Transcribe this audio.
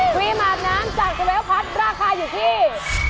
ครีมอาบน้ำจาก๑๒พัทราคาอยู่ที่